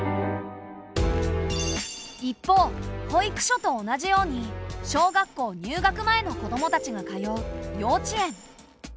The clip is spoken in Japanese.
一方保育所と同じように小学校入学前の子どもたちが通う幼稚園。